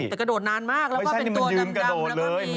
แต่กระโดดนานมากแล้วว่าเป็นตัวดำแล้วว่าเป็นไม่ใช่มันยื้มกระโดดเลย